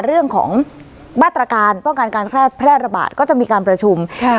เรื่องของมาตรการป้องกันการแพร่แพร่ระบาดก็จะมีการประชุมค่ะ